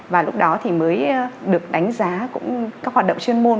và lúc đó thì mới được đánh giá cũng các hoạt động chuyên môn